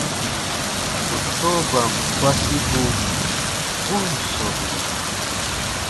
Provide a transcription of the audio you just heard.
Fotoban gɔsibu bu ǹ sɔmburu.